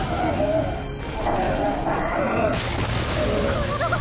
体が！